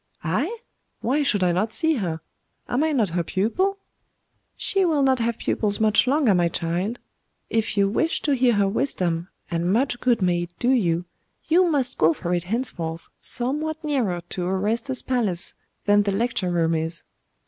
'I? Why should I not see her? Am I not her pupil?' 'She will not have pupils much longer, my child. If you wish to hear her wisdom and much good may it do you you must go for it henceforth somewhat nearer to Orestes's palace than the lecture room is.